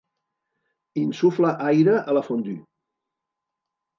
Insufla aire a la fondue.